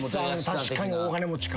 確かに大金持ちか。